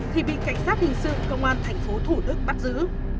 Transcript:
thì bị cảnh sát hình sự công an thành phố thủ đức bắt giữ